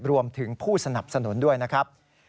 รวมถึงผู้สนับสนุนด้วยนะครับ